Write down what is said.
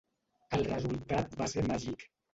El resultat va ser màgic.